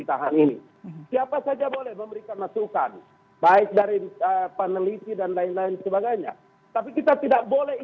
itu kalimat yang penting harus keluar dari mulut mulut kita anak anak bangsa ini